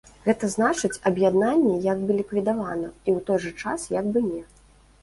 Гэта значыць аб'яднанне як бы ліквідавана і ў той жа час як бы не.